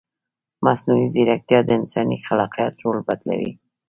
مصنوعي ځیرکتیا د انساني خلاقیت رول بدلوي.